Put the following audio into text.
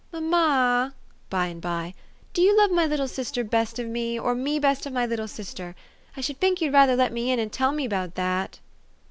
" Mamma," by and by, " do you love my little sister best of me, or me best of my little sister? I should fink you'd rather let me in and tell me 'bout that.